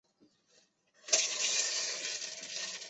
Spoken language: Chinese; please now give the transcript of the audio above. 其中东西斋为对称结构。